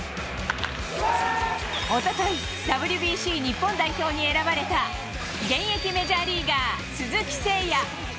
おととい、ＷＢＣ日本代表に選ばれた、現役メジャーリーガー、鈴木誠也。